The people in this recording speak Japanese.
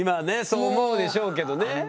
そう思うでしょうけどね。